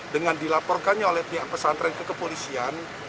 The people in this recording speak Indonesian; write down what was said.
dengan dilaporkannya oleh pihak pesantren kekepolisian